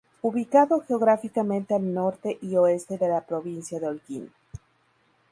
Ubicado geográficamente al norte y oeste de la provincia de Holguín.